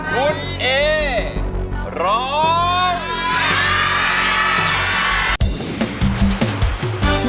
คุณเอร้อง